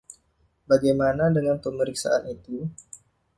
Bagaimana dengan pemeriksaan itu?